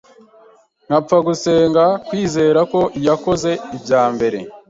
nkapfa gusenga kwizera ko iyakoze ibya mbere